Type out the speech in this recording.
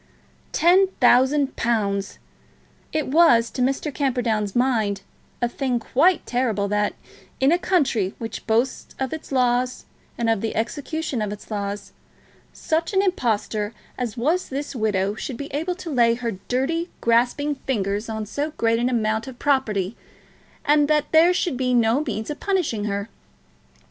Ten thousand pounds! It was, to Mr. Camperdown's mind, a thing quite terrible that, in a country which boasts of its laws and of the execution of its laws, such an impostor as was this widow should be able to lay her dirty, grasping fingers on so great an amount of property, and that there should be no means of punishing her.